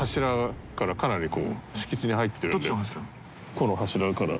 この柱から。